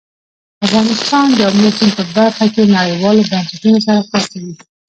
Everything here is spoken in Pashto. افغانستان د آمو سیند په برخه کې نړیوالو بنسټونو سره کار کوي.